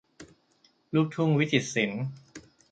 ลูกทุ่งวิจิตรศิลป์